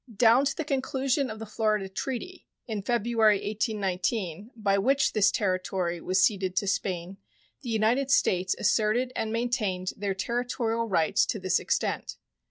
Down to the conclusion of the Florida treaty, in February, 1819, by which this territory was ceded to Spain, the United States asserted and maintained their territorial rights to this extent.